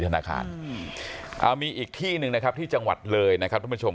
ธนาคารมีอีกที่หนึ่งนะครับที่จังหวัดเลยนะครับทุกผู้ชม